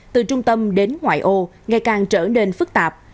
từ trung tâm đến ngoại ô ngày càng trở nên phức tạp